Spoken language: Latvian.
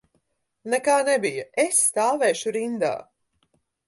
Nekā nebija, es stāvēšu rindā.